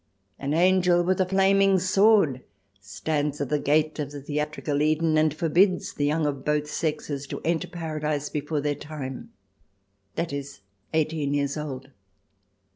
An angel with a flaming sword stands at the gate of the theatrical Eden and forbids the young of both sexes to enter Paradise before their time — i.e., eighteen years old.